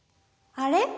「あれ？